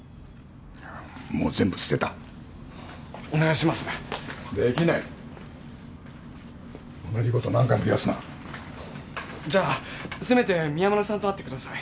もう全部捨てたお願いしますできない同じことを何回も言わすなせめて宮村さんと会ってください